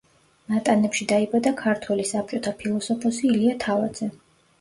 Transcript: ნატანებში დაიბადა ქართველი საბჭოთა ფილოსოფოსი ილია თავაძე.